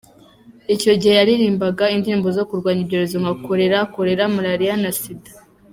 Icyo gihe yaririmbaga indirimbo zo kurwanya ibyorezo nka Korera Korera, Malariya na Sida.